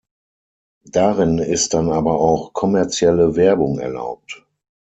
Darin ist dann aber auch kommerzielle Werbung erlaubt.